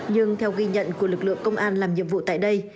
nhưng theo ghi nhận của lực lượng công an làm nhiệm vụ tại đây